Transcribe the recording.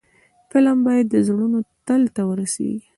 فلم باید د زړونو تل ته ورسیږي